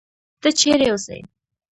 ته چېرې اوسې؟